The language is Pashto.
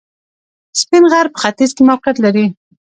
سپین غر په ختیځ کې موقعیت لري